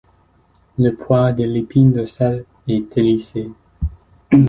Le poil de l'épine dorsale est hérissé.